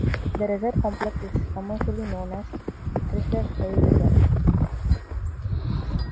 The resort complex is known commercially as Perisher Ski Resort.